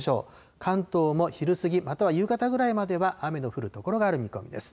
関東も昼過ぎ、または夕方ぐらいまでは雨の降る所がある見込みです。